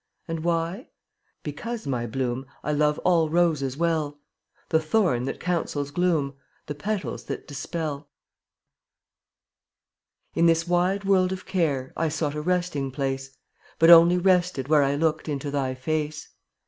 And why? Because, my bloom, I love all roses well — The thorn that counsels gloom, The petals that dispel. £)mar In this wide world of care I sought a resting place, / But only rested where I looked into thy face.